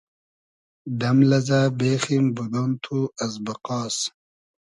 دئم لئزۂ بېخیم بودۉن تو از بئقاس